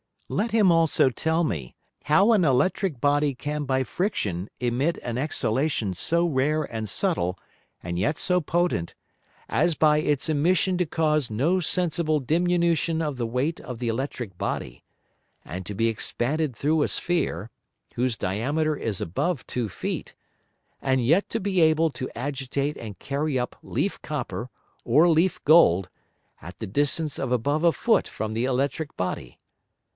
Let him also tell me, how an electrick Body can by Friction emit an Exhalation so rare and subtile, and yet so potent, as by its Emission to cause no sensible Diminution of the weight of the electrick Body, and to be expanded through a Sphere, whose Diameter is above two Feet, and yet to be able to agitate and carry up Leaf Copper, or Leaf Gold, at the distance of above a Foot from the electrick Body?